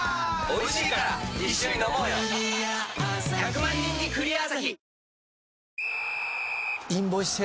１００万人に「クリアアサヒ」